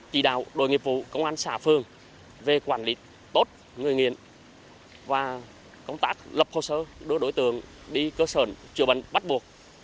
chỉ đạo đội nghiệp vụ công an xã phương về quản lý tốt người nghiện và công tác lập hồ sơ đưa đối tượng đi cơ sở chữa bệnh bắt buộc